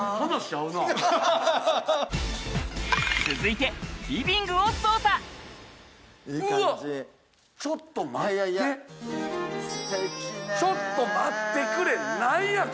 続いてちょっと待ってくれ。